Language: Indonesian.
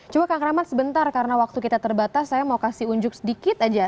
coba kang rahmat sebentar karena waktu kita terbatas saya mau kasih unjuk sedikit aja